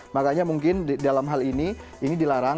makanya mungkin dalam hal ini ini dilarang